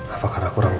apakah aku rambut